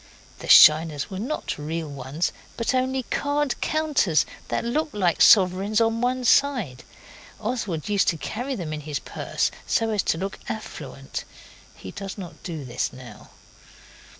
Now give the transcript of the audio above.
The shiners were not real ones, but only card counters that looked like sovereigns on one side. Oswald used to carry them in his purse so as to look affluent. He does not do this now.